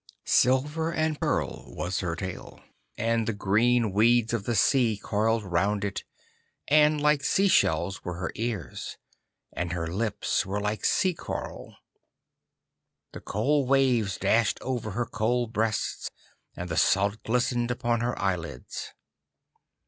Silver and pearl was her tail, and the green weeds of the sea coiled round it; and like sea shells were her ears, and her lips were like sea coral. The cold waves dashed over her cold breasts, and the salt glistened upon her eyelids.